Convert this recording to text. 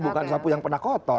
bukan sapu yang pernah kotor